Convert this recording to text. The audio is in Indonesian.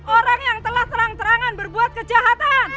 orang yang telah serang terangan berbuat kejahatan